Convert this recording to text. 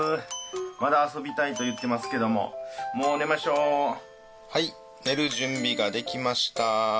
まだ遊びたいと言ってますけどもはい寝る準備ができました。